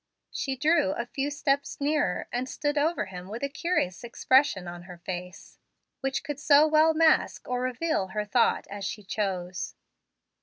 She drew a few steps nearer, and stood over him with a curious expression on her face, which could so well mask or reveal her thought as she chose.